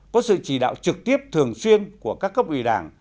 có sự chỉ đạo trực tiếp thường xuyên của các cấp ủy đảng